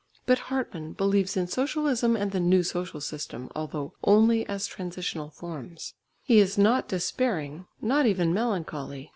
But Hartmann believes in socialism and the new social system, although only as transitional forms. He is not despairing, not even melancholy.